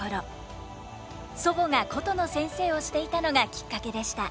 祖母が箏の先生をしていたのがきっかけでした。